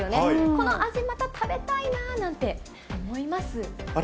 この味、また食べたいななんて思あれ